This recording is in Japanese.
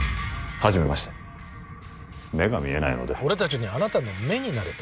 初めまして目が見えないので俺たちにあなたの目になれと？